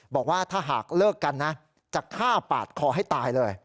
บอกว่าถ้าหากเลิกกันนะจะฆ่าปาดคอให้ตายเลย